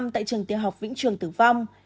tại trường tiểu học vĩnh trường tử vong